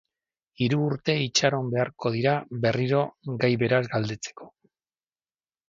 Hiru urte itxaron beharko dira berriro gai beraz galdetzeko.